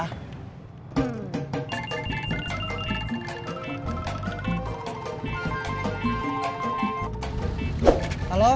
tidak aku mau